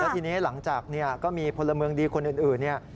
ทีนี้หลังจากเนี่ยก็มีพลเมืองดีคนอื่นเนี่ย